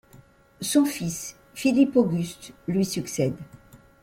Son fils, Philippe Auguste, lui succède.